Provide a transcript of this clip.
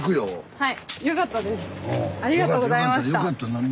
はい！